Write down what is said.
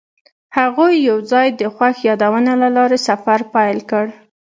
هغوی یوځای د خوښ یادونه له لارې سفر پیل کړ.